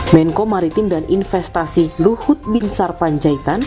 menko maritim dan investasi luhut bin sarpanjaitan